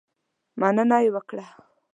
مننه یې وکړه.